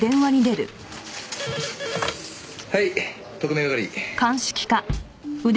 はい特命係。